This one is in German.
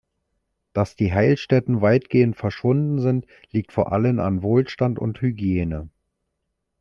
Dass die Heilstätten weitgehend verschwunden sind, liegt vor allem an Wohlstand und Hygiene.